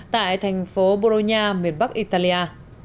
tại thành phố bologna miền bắc italia